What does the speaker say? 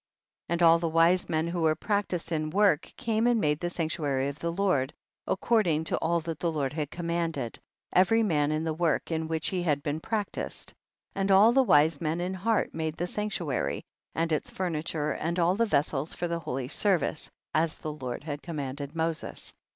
34. And all the wise men who were practised, in work came and made the sanctuary of the Lord, ac cording to all that the Lord had com manded, every man in the work in which he had been practised ; and all the wise men in heart made the sanctuary, and its furniture and all the vessels for the holy service, as the Lord had commanded Moses.